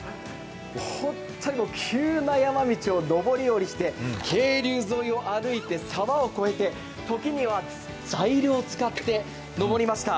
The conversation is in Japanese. ほんっとに急な山道を上り下りして渓流沿いを歩いて沢を越えて時にはザイルを使って登りました。